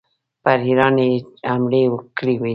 پر ایران یې حملې کړي دي.